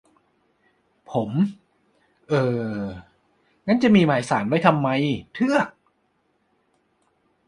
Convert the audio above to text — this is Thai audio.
ผม : เอ่อ งั้นจะมีหมายศาลไว้ทำเทือก